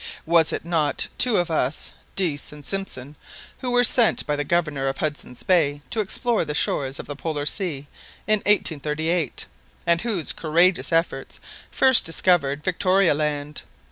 Was it not two of us, Dease and Simpson, who were sent by the Governor of Hudson's Bay to explore the shores of the Polar Sea in 1838, and whose courageous efforts first discovered Victoria Land?